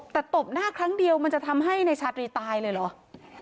แต่ตบหน้าครั้งเดียวมันจะทำให้ในชาตรีตายเลยเหรอ